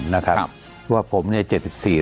นะครับครับว่าผมเนี้ย๗๔